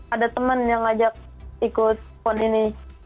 ada teman yang ngajak ikut pon ini